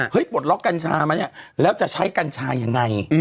เฮ้ยปลดล๊อกกันชามานี่แล้วจะใช้กันชายังไง